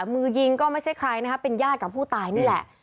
มือยิงก็ไม่ใช่ใครนะครับเป็นญาติกับผู้ตายนี่แหละ